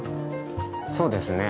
そうですね。